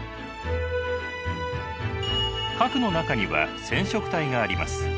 核の中には染色体があります。